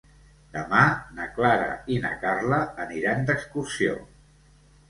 Demà na Clara i na Carla aniran d'excursió.